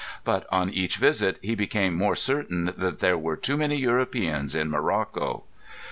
But on each visit he became more certain that there were too many Europeans in Morocco.